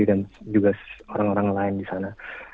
dan juga orang orang lain di sana